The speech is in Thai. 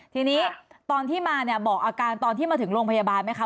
ทีนี้ตอนที่มาเนี่ยบอกอาการตอนที่มาถึงโรงพยาบาลไหมคะ